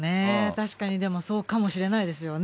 確かに、でもそうかもしれないですよね。